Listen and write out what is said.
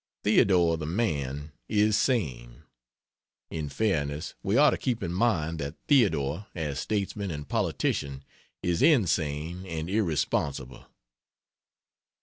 Theodore the man is sane; in fairness we ought to keep in mind that Theodore, as statesman and politician, is insane and irresponsible.